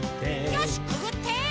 よしくぐって！